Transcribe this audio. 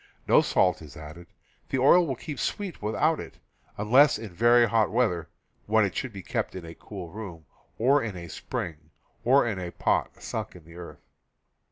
No salt is added; the oil will keep sweet without it, unless in very hot weather (when it should be kept in a cool room, or in a spring, or in a pot sunk in the earth).